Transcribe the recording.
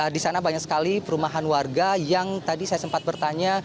di sana banyak sekali perumahan warga yang tadi saya sempat bertanya